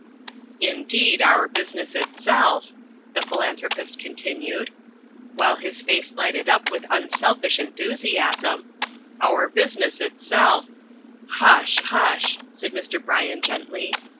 "Indeed, our business itself," The Philanthropist continued, while his face lighted up with unselfish enthusiasm, "our business itself " "Hush, hush!" said Mr. Bryan gently.